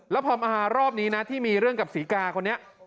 แล้วพอมารอบนี้นะที่มีเรื่องกับศรีกาคนนี้